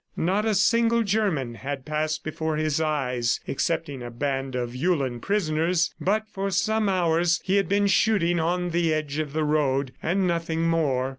Not a single German had passed before his eyes, excepting a band of Uhlan prisoners, but for some hours he had been shooting on the edge of the road ... and nothing more.